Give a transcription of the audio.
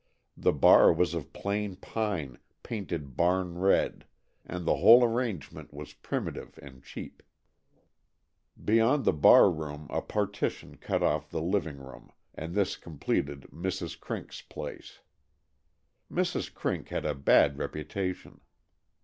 The bar was of plain pine, painted "barn red," and the whole arrangement was primitive and cheap. Beyond the bar room a partition cut off the living room, and this completed "Mrs. Crink's Place." Mrs. Crink had a bad reputation.